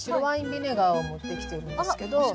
ビネガーを持ってきてるんですけど。